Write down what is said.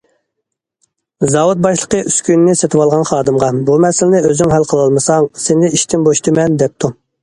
زاۋۇت باشلىقى ئۈسكۈنىنى سېتىۋالغان خادىمغا‹‹ بۇ مەسىلىنى ئۆزۈڭ ھەل قىلالمىساڭ سېنى ئىشتىن بوشىتىمەن!›› دەپتۇ.